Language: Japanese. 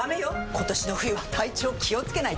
今年の冬は体調気をつけないと！